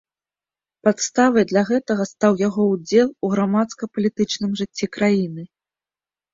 Падставай для гэтага стаў яго ўдзел у грамадска-палітычным жыцці краіны.